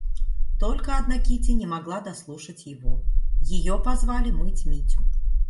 Только одна Кити не могла дослушать его, — ее позвали мыть Митю.